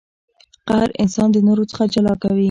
قهر انسان د نورو څخه جلا کوي.